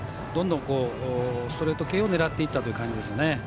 どんどんストレート系を狙っていったという感じですね。